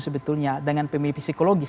sebetulnya dengan pemilih psikologis